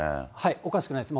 おかしくないです。